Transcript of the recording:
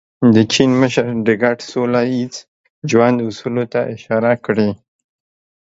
د چین مشر د ګډ سوله ییز ژوند اصولو ته اشاره کړې.